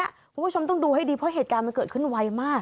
คุณผู้ชมต้องดูให้ดีเพราะเหตุการณ์มันเกิดขึ้นไวมาก